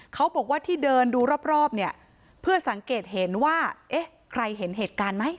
เขาบอกว่าที่เดินดูรอบเนี่ยเพื่อสังเกตเห็นว่าเอ๊ะใครเห็นเหตุการณ์ไหม